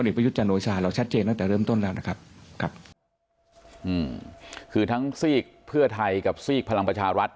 คือทั้งซีกเพื่อไทยกับซีกพลังประชารัฐ